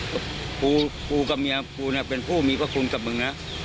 กูหนึ่งเป็นผู้มีพระคุณกับมึงนะ